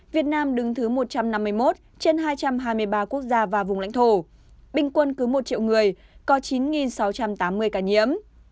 việt nam đứng thứ một trăm năm mươi một trên hai trăm hai mươi ba quốc gia và vùng lãnh thổ bình quân cứ một triệu người có chín sáu trăm tám mươi ca nhiễm